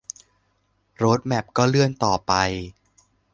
โรดแมปก็เลื่อนต่อไป